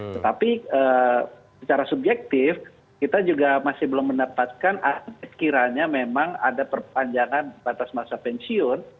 tetapi secara subjektif kita juga masih belum mendapatkan sekiranya memang ada perpanjangan batas masa pensiun